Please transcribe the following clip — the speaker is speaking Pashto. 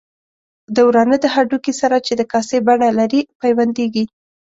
د ورانه د هډوکي سره چې د کاسې بڼه لري پیوندېږي.